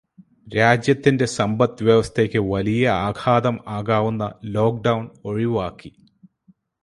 രാജ്യത്തിന്റെ സമ്പദ്വ്യവസ്ഥയ്ക്ക് വലിയ ആഘാതം ആകാവുന്ന ലോക്ക്ഡൗൺ ഒഴിവാക്കി